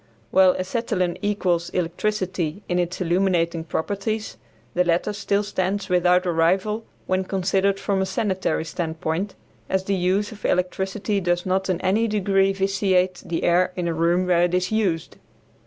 While acetylene equals electricity in its illuminating properties, the latter still stands without a rival when considered from a sanitary standpoint, as the use of electricity does not in any degree vitiate the air in a room where it is used.